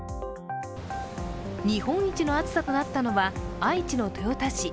日本一の暑さとなったのは愛知の豊田市。